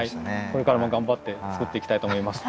これからも頑張って作っていきたいと思います。